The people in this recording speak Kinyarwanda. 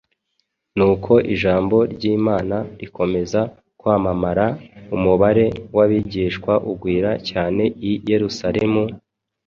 Nuko ijambo ry’Imana rikomeza kwamamara, umubare w’abigishwa ugwira cyane i Yerusalemu,